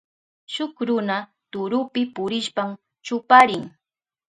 Shuk runa turupi purishpan chuparin.